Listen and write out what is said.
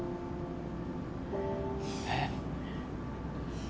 えっ？